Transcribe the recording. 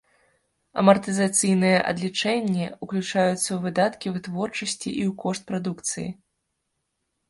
Амартызацыйныя адлічэнні ўключаюцца ў выдаткі вытворчасці і ў кошт прадукцыі.